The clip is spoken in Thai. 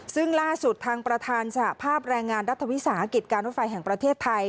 ซึ่งล่าสุดทางประธานสหภาพแรงงานรัฐวิสาหกิจการรถไฟแห่งประเทศไทย